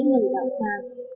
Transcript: người đảo xa